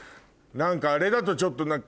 何かあれだとちょっと。